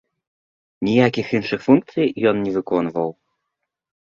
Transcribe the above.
Ніякіх іншых функцый ён не выконваў.